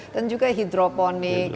dan juga hidroponik